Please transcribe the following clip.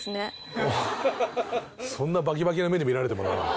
そんなバキバキな目で見られてもな。